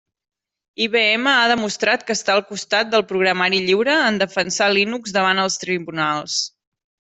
IBM ha demostrat que està al costat del programari lliure en defensar Linux davant els tribunals.